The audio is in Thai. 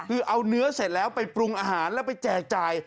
คือเอาเนื้อเสร็จแล้วไปปรุงอาหารแล้วไปแจกจ่าย